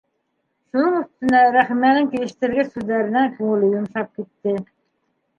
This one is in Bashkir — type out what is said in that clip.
Шуның өҫтөнә Рәхимәнең килештергес һүҙҙәренән күңеле йомшап китте.